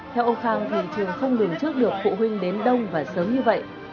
theo ông khang thì trường không đường trước được phụ huynh đến đông và sớm như vậy